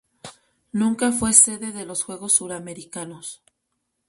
Nunca fue sede de los Juegos Suramericanos.